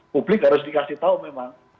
publik harus dikasih tahu memang